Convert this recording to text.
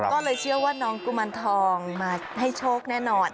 ก็เลยเชื่อว่าน้องกุมารทองมาให้โชคแน่นอน